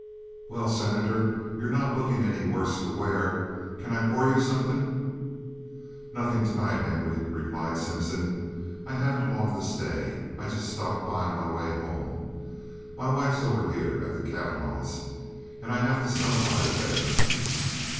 "Well, Senator, you're not looking any the worse for wear. Can I pour you something?" "Nothing to night, Henry," replied Simpson. "I haven't long to stay. I just stopped by on my way home. My wife's over here at the Cavanaghs', and I have to stop by to fetch her."